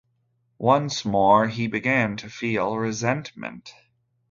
Once more, he began to feel resentment.